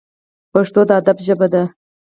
پښتو د ادب ژبه ده